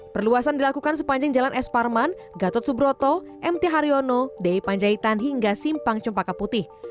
perluasan dilakukan sepanjang jalan s parman gatot subroto mt haryono d panjaitan hingga simpang cempaka putih